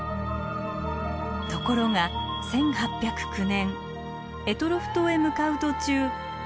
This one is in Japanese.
ところが１８０９年択捉島へ向かう途中恵山沖で船が難破。